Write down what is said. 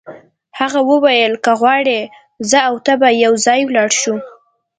هغه وویل که غواړې زه او ته به یو ځای ولاړ شو.